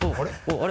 あれ？